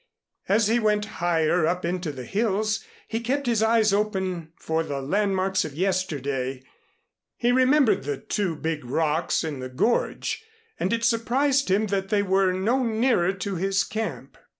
As he went higher up into the hills he kept his eyes open for the landmarks of yesterday. He remembered the two big rocks in the gorge, and it surprised him that they were no nearer to his camp.